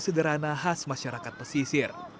sederhana khas masyarakat pesisir